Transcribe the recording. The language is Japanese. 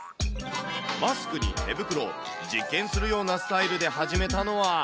マスクに手袋、実験するようなスタイルで始めたのは。